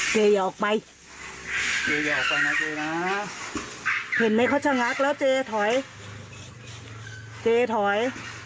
เจ๊อย่าออกไปเจ๊อย่าออกไปนะเจ๊นะเห็นมั้ยเขาฉันรักแล้วเจ๊ถอยเจ๊ถอย